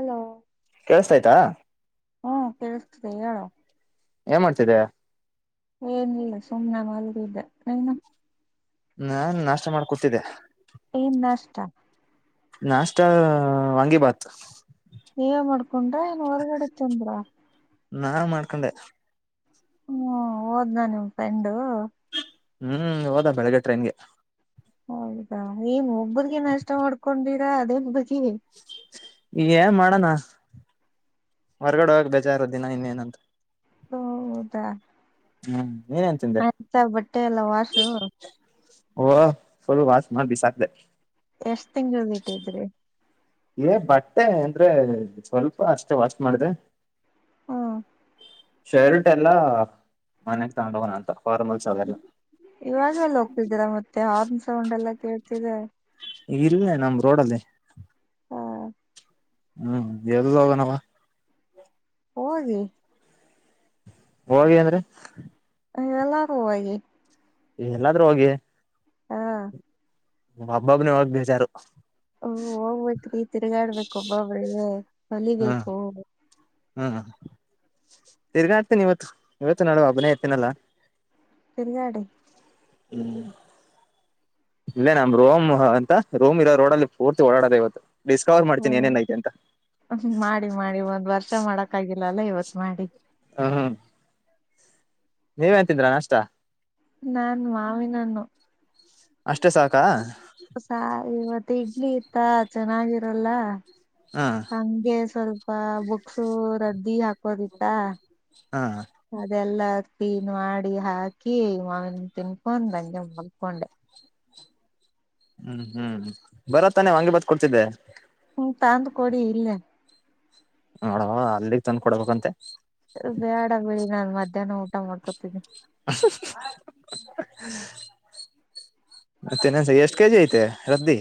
Hello ಕೇಳಸತಾಯ್ತಾ ಹ್ಮ್ ಕೇಳಿಸ್ತಿದೆ ಹೇಳು ಏನ್ ಮಾಡ್ತಿದೆ ಏನಿಲ್ಲ ಸುಮ್ನೆ ಮಲಗಿದ್ದೆ ನೀನು ನಾನ್ ನಾಷ್ಟ ಮಾಡ್ ಕೂತಿದ್ದೆ ಏನ್ ನಾಷ್ಟಾ ನಾಷ್ಟ ವಾಂಗಿ ಭಾತ್ ನೀವೆ ಮಾಡ್ಕೊಂಡ್ರ ಏನು ಹೊರ್ಗಡೆ ತಿಂದ್ರ ನಾನೆ ಮಾಡ್ಕೊಂಡೆ ಹ್ಮ್ ಓದ್ನ ನಿಮ್ ಫ್ರೆಂಡು ಹ್ಮ್ ಹೋದಾ ಬೆಳಗ್ಗೆ ಟ್ರೈನ್ಗೆ ಹೌದಾ ನೀವ್ ಒಬ್ರಿಗೆ ನಾಷ್ಟ ಮಾಡ್ಕೊಂಡಿರಾ ಅದೇ ಬಗೆ ಈಗ್ ಏನ್ ಮಾಡೋಣ ಹೊರ್ಗಡೆ ಹೋಗಕ್ ಬೇಜಾರು ದಿನ ಇನ್ನೇನಂತ ಹೌದಾ ಹ್ಮ್ ನೀನೇನ್ ತಿಂದೆ ಆಯ್ತ ಬಟ್ಟೆ ಎಲ್ಲ ವಾಶು ಓ ಫುಲ್ ವಾಶ್ ಮಾಡ್ ಬಿಸಾಕ್ದೆ ಎಷ್ಟ್ ತಿಂಗಳ್ದ್ ಇಟ್ಟಿದ್ರಿ ಏ ಬಟ್ಟೆ ಅಂದ್ರೆ ಸ್ವಲ್ಪ ಅಷ್ಟೇ ವಾಶ್ ಮಾಡಿದೆ ಹ್ಮ ಶೈರುಟ್ ಎಲ್ಲಾ ಮನೆಗ್ ತಗೊಂಡ ಹೋಗೋಣ ಅಂತ ಫಾರ್ಮಲ್ಸ್ ಅವೆಲ್ಲ ಇವಾಗ ಎಲ್ಲ ಹೋಗ್ತಿದ್ದೀರ ಮತ್ತೆ ಹಾರ್ನ್ ಸೌಂಡ್ ಎಲ್ಲ ಕೇಳ್ತಿದೆ ಇಲ್ಲೆ ನಮ್ ರೋಡಲ್ಲಿ ಹ ಹ್ಮ ಎಲ್ಲೋಗನವ್ವ ಹೋಗಿ ಹೋಗಿ ಅಂದ್ರೆ ಹ ಎಲ್ಲಾರು ಹೋಗಿ ಎಲ್ಲಾದ್ರೂ ಹೋಗಿ ಹಾ ಒಬ್ಬೊಬ್ಬನೇ ಹೋಗಕ್ ಬೇಜಾರು ಹ ಹೋಗ್ಬೇಕ್ರೀ ತಿರುಗಾಡ್ಬೇಕ್ ಒಬ್ಬೊಬ್ಬರೇ ಹ್ಮ್ ಕಲಿಬೇಕು ಹ್ಮ್ ತಿರ್ಗಾಡ್ತೀನ್ ಇವತ್ತು ಇವತ್ತು ನಾಳೆ ಒಬ್ಬನೆ ಇರ್ತಿನಲ್ಲ ತಿರ್ಗಾಡಿ ಹ್ಮ್ ಇಲ್ಲೆ ನಮ್ ರೂಮ್ ಎಂತ ರೂಮ್ ಇರೋ ರೋಡ್ಲ್ಲಿ ಪೂರ್ತಿ ಓಡಡದೆ ಇವತ್ತು ಡಿಸ್ಕವರ್ ಮಾಡ್ತೀನಿ ಏನೇನ್ ಐತೆ ಅಂತ ಹ್ಮ ಮಾಡಿ ಮಾಡಿ ಒಂದ್ ವರ್ಷ ಮಾಡಕ್ ಆಗಿಲ್ಲ ಅಲ್ಲ ಇವತ್ ಮಾಡಿ ಹಾ ಹಾ ನೀವೇನ್ ತಿಂದ್ರಾ ನಾಷ್ಟ ನಾನ್ ಮಾವಿನ ಹಣ್ಣು ಅಷ್ಟೇ ಸಾಕ ಸಾಕು ಇವತ್ ಇಡ್ಲಿ ಇತ್ತ ಚೆನ್ನಾಗಿರಲ್ಲ ಹಾ ಹಂಗೆ ಸ್ವಲ್ಪ ಬುಕ್ಸು ರದ್ದಿ ಹಾಕೋದಿತ್ತ. ಹಾ ಅದೆಲ್ಲ ಕ್ಲೀನ್ ಮಾಡಿ ಹಾಕಿ ಮಾವನಣ್ ತಿನ್ಕೊಂಡ ಬಂದು ಮಲ್ಕೊಂಡೆ. ಹ್ಮ್ ಹ್ಮ್ ಬರದ್ತಾನೆ ವಾಂಗಿ ಬತ್ ಕೊಡ್ತಿದ್ದೆ. ಹ್ಮ ತಂದ್ ಕೊಡಿ ಇಲ್ಲೇ. ನೋಡವ ಅದಿಲ್ಲಿಗ್ ತಂದ್ ಕೊಡ್ಬೇಕಂತೆ. ಬೇಡ ಬಿಡಿ ನಾನು ಮಧ್ಯಾಹ್ನ ಊಟ ಮಾಡ್ಕೋತಿನಿ. [unintelligible] ಮತ್ತೆ ಇನೆನ್ಸ ಎಷ್ಟ್ ಕೆಜಿ ಐತೆ ರದ್ದಿ?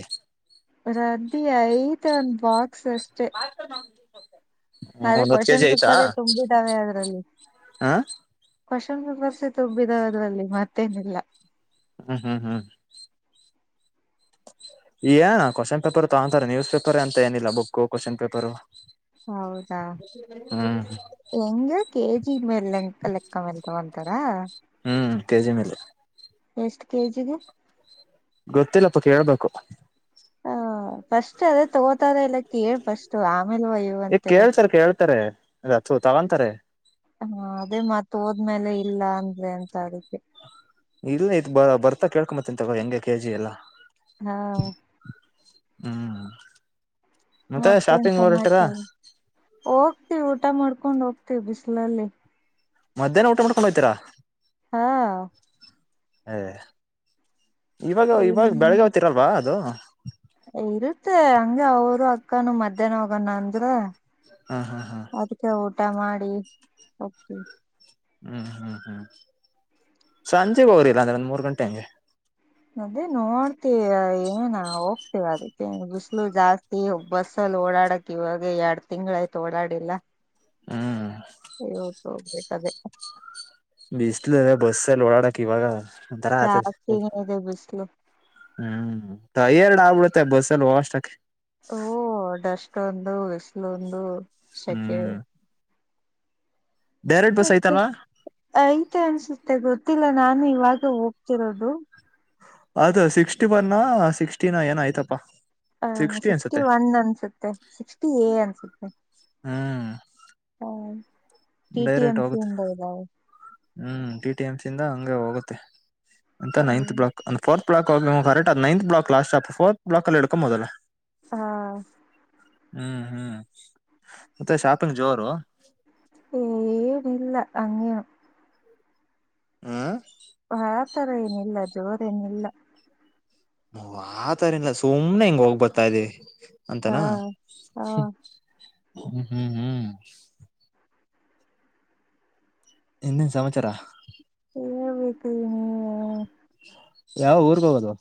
ರದ್ದಿ ಐತ್ ಒಂದ್ ಬಾಕ್ಸ್ ಅಷ್ಟೇ. ಆ [unintelligible] ನಾಳೆ ಕ್ವೊಶನ್ ಪೇಪರೇ ತುಂಬಿದ್ದಾವೆ ಅದ್ರಲ್ಲಿ. ಹ ಕ್ವೊಶನ್ ಪೇಪರ್ಸೆ ತುಬ್ಬಿದಾವ್ ಅದ್ರಲ್ಲಿ ಮತ್ತೇನಿಲ್ಲ. ಹ್ಮ್ ಹ್ಮ್ ಹ್ಮ್ ಏನ ಕೊಶ್ಚನ್ ಪೇಪರ್ ತಗೊಂತಾರೆ ನ್ಯೂಸ್ ಪೇಪರೇ ಆಂತ ಏನಿಲ್ಲ ಬುಕ್ಕು ಕ್ವೊಶನ್ ಪೇಪರು. ಹೌದಾ ಹ್ಮ್ ಹೆಂಗೆ ಕೆಜಿಗ್ಮೇಲೆ ಲೆಂಕ ಲೆಕ್ಕ ಮೇಲ್ತೊಗಂತಾರ. ಹ್ಮ್ ಕೆಜಿ ಮೇಲೆ. ಎಷ್ಟು ಕೆ ಜಿಗೆ? ಗೊತ್ತಿಲ್ಲಪ್ಪ ಕೇಳ್ಬೇಕು. ಹ ಫಸ್ಟ್ ಅದೇ ತಗೋತಾರ ಇಲ್ಲ ಕೇಳ ಫಸ್ಟ್ ಆಮೇಲೆ ಓಯ್ಯುವ. ಈ ಕೇಳ್ತರ್ ಕೇಳ್ತಾರೆ ಅಲ ತೂ ತಗೊಂತಾರೆ. ಹಾ ಅದೇ ಮತ್ ಹೋದ್ಮೇಲೆ ಇಲ್ಲ ಅಂದ್ರೆ ಅಂತ ಅದಕ್ಕೆ. ಇಲ್ಲ ಇತ್ ಬ ಬರ್ತಾ ಕೇಳ್ಕೊಂಬತ್ತೀನ್ ತಗ ಹೆಂಗೆ ಕೆ ಜಿ ಎಲ್ಲಾ. ಹಾ ಹ್ಮ್ ಮತ್ತೆ ಮತ್ತೇನ್ ಶಾಪಿಂಗ್ ಹೊರ್ಟೀರಾ? ಸಮಾಚಾರ ಹೋಗ್ತಿವಿ ಊಟ ಮಾಡ್ಕೊಂಡ್ ಹೋಗ್ತಿವಿ ಬಿಸಿಲಲ್ಲಿ. ಮಧ್ಯಾಹ್ನ ಊಟ ಮಾಡ್ಕೊಂಡ್ ಹೊಯ್ತೀರಾ. ಹಾ ಏ ಇವಾಗ ಇವಾಗ ಬೆಳಗ್ಗೆ ಹೊತ್ತಿರಲ್ವಾ ಅದು? ಇರುತ್ತೆ ಹಂಗೆ ಅವರು ಅಕ್ಕಾನ ಮಧ್ಯಾಹ್ನ ಹೋಗಣ ಅಂದ್ರು. ಹಾ ಹಾ ಹಾ ಅದಕ್ಕೆ ಊಟ ಮಾಡಿ ಹೋಗ್ತಿವಿ. ಹ್ಮ್ ಹ್ಮ್ ಹ್ಮ್ ಸಂಜೆ ಹೋಗ್ರಿ ಇಲ್ಲ ಅಂದ್ರೆ ಒಂದ್ ಮೂರು ಗಂಟೆ ಹಂಗೆ. ಅದೇ ನೋಡ್ತಿವಿ ಏನ ಹೋಗ್ತೇವ ಅದಕ್ಕೆ ಬಿಸಲು ಜಾಸ್ತಿ. ಈ ಬಸ್ಸಲ್ಲಿ ಓಡಾಡಕ್ ಇವಾಗ ಎರಡ್ ತಿಂಗ್ ಆಯ್ತು ಓಡಾಡಿಲ್ಲ. ಹ್ಮ್ ಇವತ್ತು ಹೋಗ್ಬೇಕ್ ಅದೇ. ಬಿಸ್ಲು ಅದೆ ಬಸ್ಸಲ್ಲಿ ಓಡಾಡಕ್ ಇವಾಗ ಒಂಥರಾ ಆತದೆ. ಉರಿ ಬಿಸ್ಲು. ಹ್ಮ್ ಟಯರ್ಡ್ ಆಗ್ಬಡುತ್ತೆ ಬಸ್ಸಲ್ಲಿ ಹೋಗಷ್ಟತ್ಕೆ. ಓ ಡಸ್ಟ್ ಒಂದು ಬಿಸಿಲು ಒಂದು ಸೆಕೆ. ಹ್ಮ್ ಡೈರೆಕ್ಟ್ ಬಸ್ ಮತ್ತೆ ಐತಲ್ವಾ ಐತೆ ಅನ್ಸುತ್ತೆ ಗೊತ್ತಿಲ್ಲ ನಾನು ಇವಾಗ ಹೋಗ್ತಿರೋದು. ಅದು ಸಿಕ್ಸ್ಟಿ ಒನ್ನೊ ಸಿಕ್ಸ್ಟಿನೊ ಏನೊ ಐತಪ್ಪಾ. ಹ ಸಿಕ್ಸ್ಟಿ ಒನ್ ಅನ್ಸುತ್ತೆ ಸಿಕ್ಸ್ಟಿ ಎ ಅನ್ಸುತ್ತೆ ಹ್ಮ್ ಹ T. T. Direct M. P ಹೋಗುತ್ತೆ ಇಂದ ಇದಾವ ಹ್ಮ್ ಟಿ. ಟಿ. ಎಂ. ಪಿ ಇಂದ ಹಂಗೆ ಹೋಗುತ್ತೆ ಅಂತ ninth block fourth block correct ಅದ್ ninth block last stop fourth block ಅಲ್ಲಿ ಇಳ್ಕೊಬೋದಲ್ಲ ಹಾ ಹ್ಮ್ ಹ್ಮ್ ಮತ್ತೆ ಶಾಪಿಂಗ್ ಜೋರು ಏನಲ್ಲ ಅಂಗೇನು ಆ ಆ ತರ ಏನಿಲ್ಲ ಜೋರ್ ಏನಿಲ್ಲ ನ ಆತರ ಇಲ್ಲ ಸುಮ್ನೆ ಹಿಂಗ್ ಹೋಗ್ ಬರ್ತಾ ಇದವಿ ಹಾ ಅಂತಾನ ಹಾ ಹ್ಮ ಹ್ಮ್ ಹ್ಮ್ ಇನ್ನೆನ್ ಸಮಾಚಾರ ಹೇಳ್ಬೇಕು ನೀವೆ ಯಾವಗ್ ಊರ್ಗೆ ಹೋಗೋದು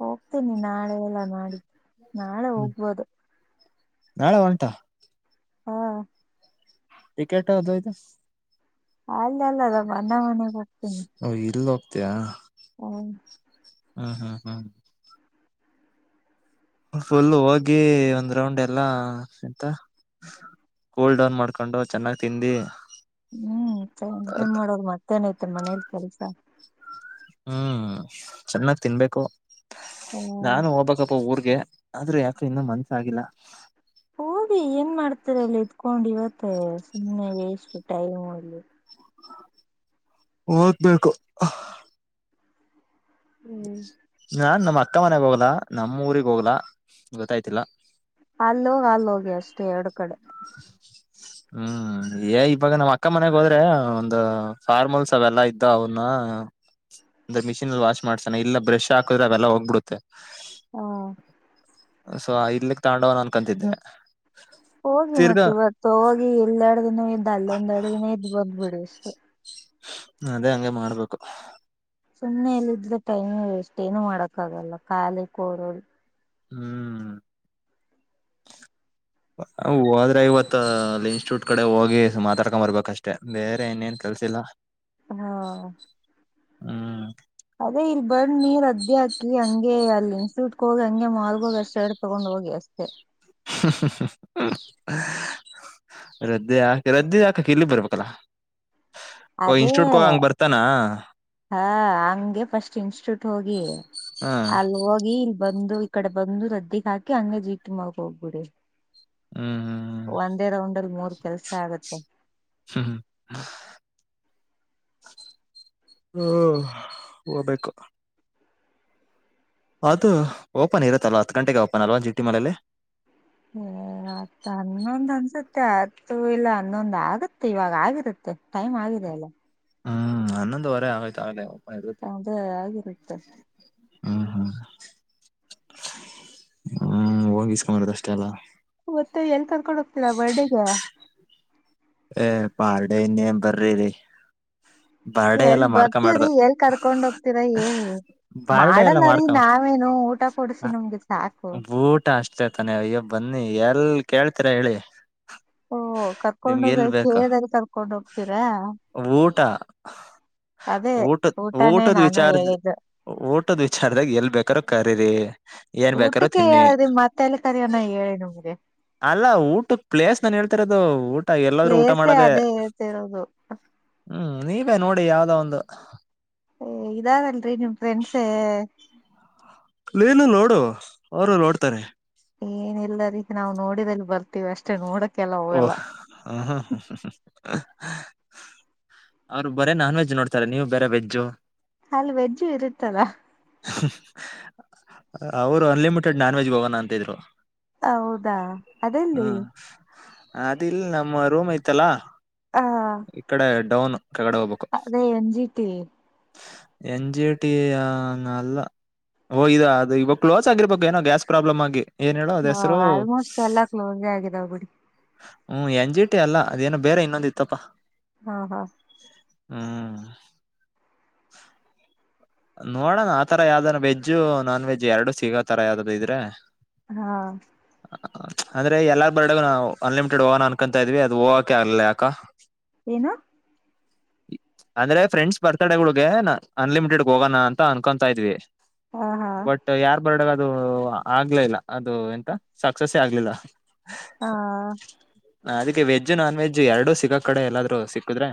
ಹೋಗ್ತೀನಿ ನಾಳೆ ಇಲ್ಲ ನಾಳಿದ್ದು ನಾಳೆ ಹ್ಮ್ ಹೋಗ್ಬೋದು ನಾಳೆ ಉಂಟಾ ಹಾ ಟಿಕೆಟ್ ಅದು ಇದು ಅಲ್ಲ ಅಲ್ಲದ ನಮ್ ಅಣ್ಣ ಮನೆಗ್ ಹೋಗ್ತೀನಿ ಹೊ ಇಲ್ ಹೋಗ್ತಿಯಾ ಹೌದ ಹ್ಮ್ ಹ್ಮ್ ಹ್ಮ್ ಫುಲ್ ಹೋಗಿ ಒಂದ್ ರೌಂಡ್ ಎಲ್ಲಾ ಎಂತ ಕೂಲ್ಡೌನ್ ಮಾಡ್ಕೊಂಡು ಚೆನ್ನಾಗ್ ತಿಂದಿ ಹ್ಮ್ ಇನೆನ್ ಮಾಡೋದು ಮತ್ತೇನ ಐತೆ ಮನೇಲಿ ಕೆಲ್ಸ ಹ್ಮ್ ಚೆನ್ನಾಗ್ ತಿನ್ಬೇಕು ಹೊ ನಾನು ಹೋಗ್ಬೇಕಪ್ಪ ಊರಿಗೆ ಆದ್ರೂ ಯಾಕೋ ಇನ್ನೂ ಮನಸ್ಸಾಗಿಲ್ಲ ಹೋಗಿ ಏನ್ ಮಾಡ್ತಿರ ಅಲ್ಲಿ ಇದ್ಕೊಂಡ್ ಇವತ್ತೆ ಸುಮ್ಮನೆ ವೇಸ್ಟ್ ಟೈಮು ಅಲ್ಲಿ ಓದ್ಬೇಕು ಹ್ಮ್ ನಾನ್ ನಮ್ಮ ಅಕ್ಕ ಮನೆಗ್ ಹೋಗ್ಲಾ ನಮ್ಮ ಊರಿಗ್ ಹೋಗ್ಲ ಗೊತ್ತಾಯ್ತಿಲ್ಲ ಅಲ್ಲೊಗಿ ಅಲ್ಲಿ ಹೋಗಿ ಅಷ್ಟೇ ಎರಡು ಕಡೆ [inaudible] ಹ್ಮ್ ಏ ಇವಾಗ ನಮ್ಮ್ ಅಕ್ಕ ಮನೆಗ್ ಹೋದ್ರೆ ಒಂದು ಫಾರ್ಮಲ್ಸ್ ಅವೆಲ್ಲಾ ಇದ್ದೋ ಅವ್ನ್ನ ಒಂದ್ ಎರ್ಡ್ ಮಷೀನ್ ಅಲ್ಲಿ ವಾಶ್ ಮಾಡಿಸಣ ಬ್ರಷ್ ಹಾಕುದ್ರವೆಲ್ಲ ಹೋಗ್ಬಿಡುತ್ತೆ ಹ ಸೋ ಇಲ್ಲಿಗ್ ತಗೊಂಡು ಹೋಗೋಣ ಅನ್ಕೋತ್ತಿದ್ದೆ ಹೋಗಿ ಮತ್ತ ಇವತ್ತು ಹೋಗಿ ಇಲ್ ಎರಡ್ದಿನ ಇದ್ ಅಲ್ಲೊಂದ ಎಡ್ದಿನ ಇದ್ ಬಂದ್ ಬಿಡಿ ಅಷ್ಟೇ ಅದೇ ಹಂಗೆ ಮಾಡ್ಬೇಕು ಸುಮ್ಮ್ನೆ ಇಲ್ ಇದ್ರೆ ಟೈಮ್ ವೇಸ್ಟ್ ಏನು ಮಾಡಕ್ಕ ಆಗಲ್ಲ ಖಾಲಿ ಕೋರೋದು ಹ್ಮ್ ಹೋದ್ರೆ ಇವತ್ ಇನ್ಸ್ಟಿಟ್ಯೂಟ್ ಕಡೆ ಹೋಗಿ ಮಾತಾಡ್ಕೊಂಡ್ಂಬರ್ಬೇಕಷ್ಟೇ ಬೇರೆ ಇನೇನ್ ಕೆಲ್ಸಿಲ್ಲ ಹ ಹಾ ಹ್ಮ್ ಅದೇ ಇಲ್ ಬಂದ ರದ್ದಿ ಹಾಕಿ ಹಂಗೆ ಅಲ್ಲಿ ಇನ್ಸ್ಟಿಟ್ಯೂಟ್ ಹೋಗಿ ಹಂಗೆ ಮಾಲ್ಗ ಹೋಗಿ ಅಷ್ಟ ಹೇ ತಗೊಂಡು ಹೋಗಿ ಅಷ್ಟೆ ಹ ಹ ಹ ರದ್ಯ ರದ್ದೆ ಹಾಕಕ್ ಇಲ್ಲಿ ಬರ್ಬೇಕಲ್ಲಾ ಓ ಅದೇ ಇನ್ಸ್ಟ್ಯೂಟ್ ಹಂಗ ಬರ್ತಾನ ಹಾ ಹಂಗೆ ಫಸ್ಟ್ ಇನ್ಸ್ಟಿಟ್ಯೂಟ್ ಹೋಗಿ ಹ ಅಲ್ ಹೋಗಿ ಇಲ್ ಬಂದು ಈ ಕಡೆ ಬಂದು ರದ್ದಗಿಹಾಕಿ ಹಂಗ ಜೀಟಿ ಮಲ್ ಹೋಗ್ಬಿಡಿ ಹ್ಮ್ ಹ್ಮ್ ಒಂದೇ ರೌಂಡ್ಲ್ಲೀ ಮುರ ಕೆಲಸ ಆಗುತ್ತೆ [unintelligible] ಹೂ ಹೋಗ್ಬೇಕು ಅದು ಓಪನ್ ಇರುತ್ತಲ್ವಾ ಹತ್ತು ಗಂಟೆಗೆ ಓಪನ್ ಅಲ್ವ ಜಿಟಿ ಮನೇಲಿ [unintelligible] ಹತ್ ಹನ್ನೊಂದ್ ಅನ್ಸುತ್ತೆ ಅತ್ತು ಇಲ್ಲ ಹನ್ನೊಂದ್ ಆಗುತ್ತೆ ಇವಾಗ ಆಗಿರುತ್ತೆ ಟೈಮ್ ಆಗಿದೆ ಅಲ್ಲ ಹ್ಮ್ಮ್ ಅನೋಂವರೆ ಆಗೋಯ್ತು ಆಗಲೇ ಇರುತ್ತೆ ಅದೇ ಆಗಿರುತ್ತೆ [unintelligible] ಹೋಗಿಸಿಕೊಂಡು ಬರೋದು ಅಷ್ಟೇ ಅಲ್ವ ಮತ್ತೆ ಎಲ್ಲಿ ಕರ್ಕೊಂಡು ಹೋಗ್ತಿರುವ ಬರ್ತ್ಡೇ ಗೆ ಪಾರ್ಡೆ ಇನ್ನೇನ್ ಬರಿರೀ ಎಲ್ ಬರ್ತವ್ರಿ ಎಲ್ ಕರ್ಕೊಂಡ್ ಹೋಗ್ತೀರ ಹೇಳಿ ಬಾರ್ಡೇ ಎಲ್ಲ ಮಾಡಲ್ಲರಿ ಮಾಡ್ಕೊ ನಾವೇನು ಊಟ ಕೊಡ್ಸಿ ನಮ್ಗೆ ಸಾಕು ಊಟ ಅಷ್ಟೇತಾನೆ ಅಯ್ಯೋ ಬನ್ನಿ ಎಲ್ ಕೇಳ್ತೀರಾ ಹೇಳಿ ಓ ಕರ್ಕೊಂಡ ನಿಮ್ಗೆ ಎಲ್ ಬೇಕು ಕೇಳಿದ್ರೆ ಕರ್ಕೊಂಡ್ ಹೋಗ್ತೀರಾ ಊಟ ಅದೇ ಊಟದ ಊಟನೇ ಊಟದ ನಾನು ವಿಚಾರ ಹೇಳಿದ್ದು ಊಟದ್ ವಿಚಾರದಾಗ ಎಲ್ ಬೇಕಾರ ಕರೀರಿ ಏನ್ ಬೇಕಾರ ಊಟಕ್ಕೆ ತಿನ್ನಿ ಹೇಳುದ್ವಿ ಮತ್ತೆಲ್ಲಿ ಕರಯನ ಹೇಳಿ ನಿಮಗೆ ಅಲ್ಲಾ ಊಟ ಪ್ಲೇಸ್ ನಾನು ಹೇಳ್ತಿರೋದು ಊಟ ಎಲ್ಲಾದ್ರೂ ಊಟ ಪ್ಲೇಸೇ ಮಾಡದೆ ಅದೇ ಹೇಳ್ತಿರೋದು ಹ್ಮ್ ನೀವೇ ನೋಡಿ ಯಾವ್ದೋ ಒಂದು ಏ ಇದಾರಲ್ರಿ ನಿಮ್ ಫ್ರೆಂಡ್ಸೇ ನೀನು ನೋಡು ಅವರು ನೋಡ್ತಾರೆ ಏನಿಲ್ಲ ರೀ ನಾವು ನೋಡಿದಲ್ಲಿ ಬರ್ತೀವಿ ಅಷ್ಟೇ ನೋಡಕ್ ಓ ಹಾ ಹಾ ಹ ಅವ್ರು ಬರೇ ನಾನ್ ವೆಜ್ ನೋಡ್ತಾರೆ ನೀವು ಬೇರೆ ವೆಜ್ ಅಲ್ಲಿ ವೆಜ್ಜು ಇರುತ್ತದಾ [inaudible] ಅವರು ಅನ್ಲಿಮಿಟೆಡ್ ನಾನ್ ವೆಜ್ಗೆ ಹೋಗೋಣ ಅಂತಿದ್ರು ಹೌದಾ [inaudible] ಅದೆಲ್ಲಿ ಹ್ಮ್ ಅದಿಲ್ ನಮ್ಮ ರೂಮ್ ಐತಲ್ಲಾ ಆ ಇಕಡೆ ಡೌನ್ ಕೇ ಳ್ಳಗಡೆ ಓಗಬೇಕು ಅದೇ ಎನ್ ಜಿಟಿ ಎನ್ಜಿ ಟಿ ಅಲ್ಲ ಓ ಇದೆ ಅ ಇವಾಗ ಕ್ಲೋಸ್ ಆಗರ್ಬೇಕ ಏನೋ ಗ್ಯಾಸ್ ಪ್ರಾಬ್ಲಮ ಆಗಿ ಏನ್ ಹೇಳೋ ಅದ ಹಾ ಹೆಸರು ಆಲ್ಮೋಸ್ಟ್ ಎಲ್ಲ ಕ್ಲೋಸ್ ಆಗಿದಾವ ಬಿಡಿ ಹ್ಮ್ ಎನ್ ಜಿ ಟಿ ಅಲ್ಲ ಅದೇನೋ ಬೇರೆ ಇನ್ನೊಂದ ಇತ್ತಪ್ಪ ಹಾ ಹಾ ಹ್ಮ್ [unintelligible] ನೋಡೋಣ ಆತರ ಯಾವ್ದ್ ರ ವೆಜ್ಜ್ ನಾನ್ ವೆಜ್ ಎರಡು ಸಿಗೋತರ ಯಾವ್ದ್ ರಇದ್ರೆ ಹಾ [unintelligible] ಅಂದ್ರೆ ಎಲ್ಲಾರ್ ಬರ್ಡಗ ನಾವು ಅನ್ಲಿಮಿಟೆಡ್ ಓವಾನ ಅನ್ಕೊಂತಾ ಇದ್ವಿ ಅದು ಓವಕ ಆಗಲ್ಲ ಯಾಕ. ಏನು. ಅಂದ್ರೆ ಫ್ರೆಂಡ್ಸ್ ಬರ್ತಡೆಗಳಗೆ ಅನ್ಲಿಮಿಟೆಡ್. ಹೋಗೋಣ ಅಂತ ಅನ್ಕೊತಾ ಇದ್ವಿ. ಹಾ ಹಾ. [unintelligible] ಬಟ್ ಯಾರ್ ಬರ್ಡೆಗಾದ್ರು ಅದು ಆಗ್ಲೇ ಇಲ್ಲ ಅದು ಎಂತ ಸಕ್ಸಸ್ಸೆ ಆಗ್ಲಿಲ್ಲ. ಹಾ- ಅದಕ್ಕೆ ವಜ್ ನಾನ್ೆಜ್ಜ್ ಏರಡು ಸಿಗಕ್ ಕಡೆ ಎಲ್ಲಾದ್ೂ ಸಿಕ್ಕುದ್ರೆ.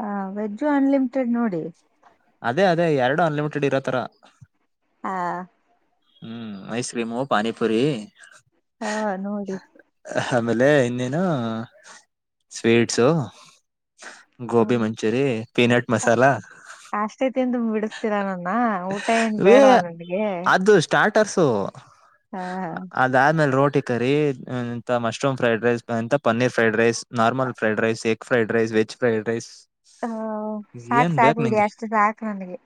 ಹ ವೆಜ್ಜು ಅನ್ಲಿಮಿಟೆಡ್ ನೋಡಿ. ಅದೇ ಅದೇ ಎರಡು ಅನ್ಲಿಮಿಟೆಡ್ ಇರೋತರ. ಹಾ- ಹ್ಮ್ ಐಸ್ ಕ್ರೀಮು ಪಾನಿಪುರಿ. ಹಾ ನೋಡಿ. ಆಮೇಲೆ ಇನ್ನೇನು ಸ್ವೀಟ್ಸು. ಗೋಬಿ ಮಂಚೂರಿ ಪೀನಟ್ ಮಸಾಲಾ. ಅಷ್ಟೇತಿಂದು ಬಿಡಿಸತೀರ ನನ್ನ ಊಟ ಏನ್ ಬೇಡವಾ ನನ್ಗೆ. ಸ್ಟಾ್ಟರ್ಸು. ಹಾ ಹಾ- ಅದಾದ್ಮೇಲೆ ರೋಟಿ ಕರಿಂತ ಮಶ್ರೂಮ್ ಫ್ರೈಡ್ ರೈಸ್ಂತ paneer fried rice. Normal fried rice egg fried rice veg fried rice. ಹ ಸಾಕ್ು ಸಾಕು ಬಿಡಿ ಅಷ್ಟು ಸಾಕು ನನ್ಗೆ.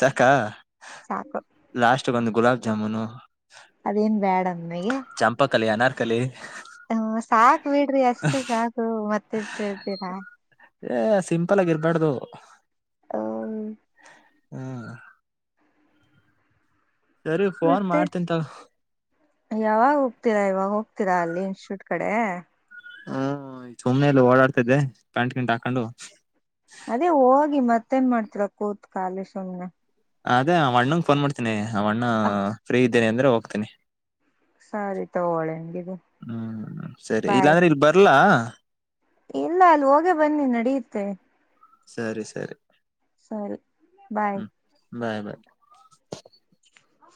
ಸಾಕ್ಕಾ. ಸಾಕ. ಲಾಸ್ಟ್ಗೆ ಒಂದು ಗುಲಾಬ್ ಜಾಮೂನು. ಅದೇನ್ ಬ್ಯಾಡ ನನಗೆ. ಚಂಪಾಕಲಿಿ ಅನಾರ್ಕಲಿ. ಹ್ಮ ಸಾಕು ಬಿಡ್ರಿ ಅಷ್ಟು ಸಾಕು ಮತ್ತೆಷ್ಟು ಹೇಳ್ತೀರಾ. ಏ ಸಿಂಪಲ್ ಆಗಿ ಇರಬಾರಡ್ದು. ಹ್ಮ- ಹಾ- ಸರಿ ಫೋನ್ ಮತ್ತೆ ಮಾಡ್ತನ್ಂತಗ. ಯಾವಾಗ ಹೋಗ್ತೀರಾ ಇವಾಗ ಹೋಗ್ತೀರಾ ಅಲ್ಲಿ ಇನ್ಸ್ಟಿಟ್ಯೂಟ್ ಕಡೆ. ಹ್ಮ್ ಈ ಸುಮ್ನೆೆಯಲ್ಲಿ ಓಡಾಡ್ತಿದ್ದೆ ಪ್ಯಾಂಟ್ ಕಿಂಟ್ ಹಾಕೊಂಡು. ಅದೇ ಹೋಗಿ ಮತ್ತೇನ್ ಮಾಡ್ತರ ಕೂತ್ ಕಾಲಿ ಸುಮ್ನೆ. ಅದೇ ಅಣ್ಣಂಗ ಫೋನ್ ಮಾಡ್ತೀನಿ ಆ ಅಣ್ಣ ಅ ಫ್ರೀ ಇದ್ದೇನಿ ಅಂದ್ರೆ ಹೋಗ್ತೀನಿ. ಸರಿ ತಗೊಳ್ಳಿ ಹಂಗಿದ್ರೆ ಹ್ಮ್ ಸರಿ ಇಲ್ಲಾಂದ್ರೆ ಇಲ್ ಬರ್ಲ್ಲಾ. ಎಲ್ಲ ಅಲ್ಲಿ ಹೋಗೇ ಬನ್ನಿ ನಡೆಯುತ್ತೆ. ಸರಿ ಸರಿ. ಸರಿ ಬಾಯ್. ಹ್ಮ್ ಬಾಯ್ ಬಾಯ್. ಹ-